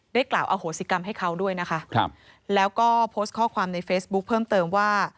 กล่าวอโหสิกรรมให้เขาด้วยนะคะครับแล้วก็โพสต์ข้อความในเฟซบุ๊คเพิ่มเติมว่า